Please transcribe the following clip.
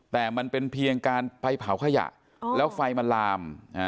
แต่มันเป็นเพียงการไปเผาขยะแล้วไฟมันลาม